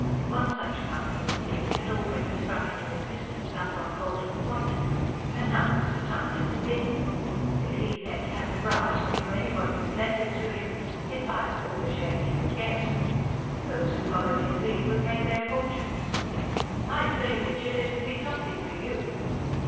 One such company, indeed, had already sprung into existence, out on Golden Point; and now was the time to nip in. If he, Ned, had the brass, or knew anybody who'd lend it to him, he'd buy up all the shares he could get. Those who followed his lead would make their fortunes. "I say, Richard, it'ud be something for you."